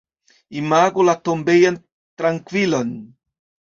Imagu la tombejan trankvilon!